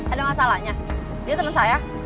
ada masalahnya dia teman saya